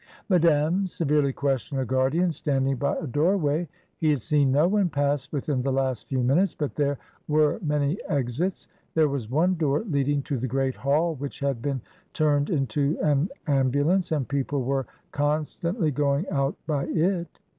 Madame severely questioned a guardian standing by a door AT VERSAILLES. 20$ way. He had seen no one pass within the last few minutes, but there were many exits; there was one door leading to the great hall, which had been turned into an ambulance, and people were con stantly going out by it.